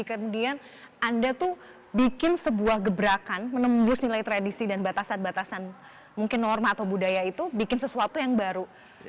kemudian anda tuh bikin sebuah gebrakan menembus nilai tradisi dan batasan batasan mungkin norma atau budaya itu bikin sesuatu yang baru